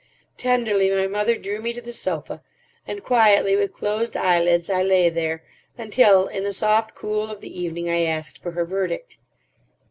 Tenderly my mother drew me to the sofa; and quietly, with closed eyelids, I lay there until, in the soft cool of the evening, I asked for her verdict.